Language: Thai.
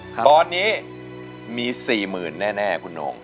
ตอนนี้มี๔๐๐๐แน่คุณโน่ง